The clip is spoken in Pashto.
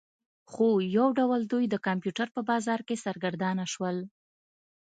خو یو ډول دوی د کمپیوټر په بازار کې سرګردانه شول